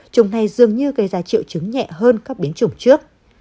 chủng này dường như gây ra triệu chứng nhẹ hơn các biến chủng trước